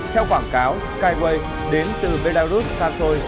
theo quảng cáo skyway đến từ belarus ra sôi